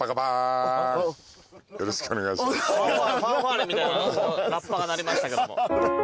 ファンファーレみたいなラッパが鳴りましたけども。